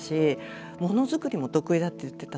物作りも得意だって言ってた。